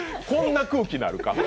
こんな空気なるか？